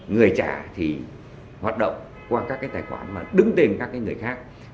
người trả thì hoạt động qua các tài khoản mà đứng tìm các người khác